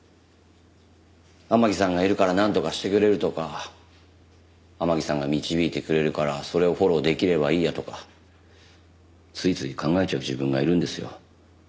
天樹さんがいるからなんとかしてくれるとか天樹さんが導いてくれるからそれをフォローできればいいやとかついつい考えちゃう自分がいるんですよ。